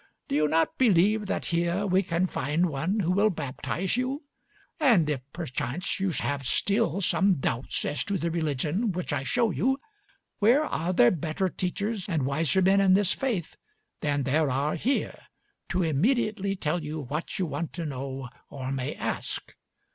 Do you not believe that here we can find one who will baptize you? and if perchance you have still some doubts as to the religion which I show you, where are there better teachers and wiser men in this faith than there are here, to immediately tell you what you want to know or may ask?